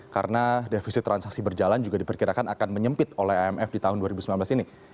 karena defisit transaksi berjalan juga diperkirakan akan menyempit oleh imf di tahun dua ribu sembilan belas ini